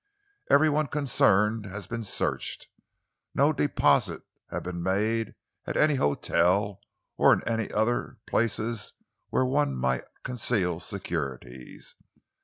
Every one concerned has been searched, no deposit has been made at any hotel or in any of the ordinary places where one might conceal securities.